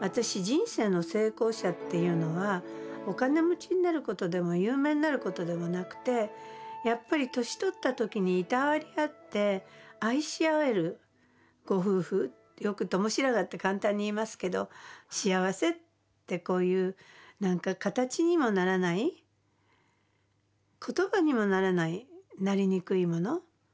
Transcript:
私人生の成功者っていうのはお金持ちになることでも有名になることでもなくてやっぱり年取った時にいたわり合って愛し合えるご夫婦よく共白髪って簡単に言いますけど幸せってこういう形にもならない言葉にもならないなりにくいもの。